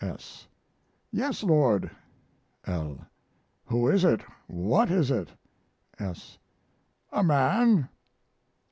S. Yes, Lord. L. Who is it? What is it? S. A man.